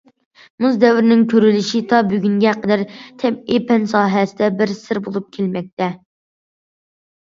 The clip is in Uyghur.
مۇز دەۋرىنىڭ كۆرۈلۈشى تا بۈگۈنگە قەدەر تەبىئىي پەن ساھەسىدە بىر سىر بولۇپ كەلمەكتە.